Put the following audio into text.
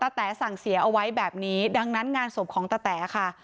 แต๋สั่งเสียเอาไว้แบบนี้ดังนั้นงานศพของตะแต๋ค่ะ